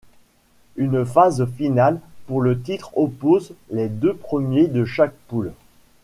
Une phase finale pour le titre oppose les deux premiers de chaque poule.